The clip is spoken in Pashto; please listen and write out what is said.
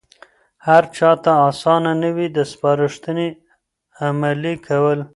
هرچاته آسانه نه وي د سپارښتنې عملي کول.